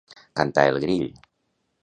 Cantar el grill.